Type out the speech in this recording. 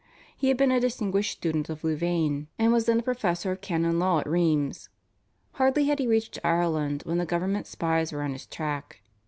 He had been a distinguished student of Louvain, and was then a professor of Canon Law at Rheims. Hardly had he reached Ireland when the government spies were on his track.